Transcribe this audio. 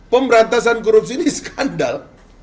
pemberantasan korupsi ini skandal